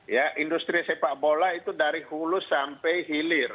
ya industri sepak bola itu dari hulu sampai hilir